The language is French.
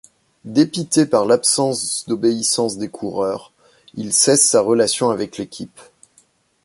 Dépité par l'absence d'obéissance des coureurs, il cesse sa relation avec l'équipe.